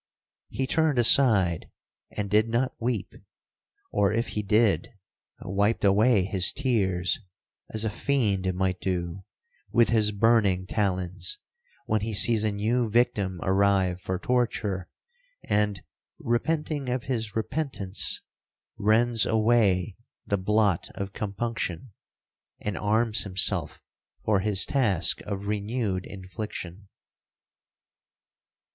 He turned aside, and did not weep; or if he did, wiped away his tears, as a fiend might do, with his burning talons, when he sees a new victim arrive for torture; and, repenting of his repentance, rends away the blot of compunction, and arms himself for his task of renewed infliction.